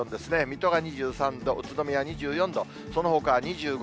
水戸が２３度、宇都宮２４度、そのほか２５度。